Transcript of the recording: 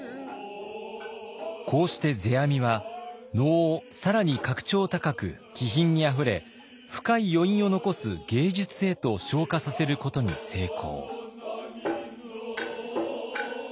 こうして世阿弥は能を更に格調高く気品にあふれ深い余韻を残す芸術へと昇華させることに成功。